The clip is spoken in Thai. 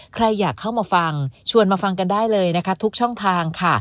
ใครอยากเข้ามาฟังชวนมาฟังกันได้เลยนะคะทุกช่องทางค่ะ